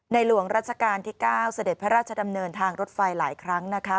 หลวงรัชกาลที่๙เสด็จพระราชดำเนินทางรถไฟหลายครั้งนะคะ